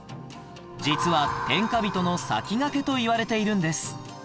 実は「天下人の先駆け」といわれているんです